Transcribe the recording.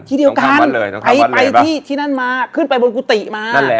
ที่เดียวกันไปที่นั่นมาขึ้นไปบนกุฏิมา